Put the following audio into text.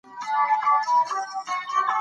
پښتو د مینه والو او مېړنیو ژبه ده.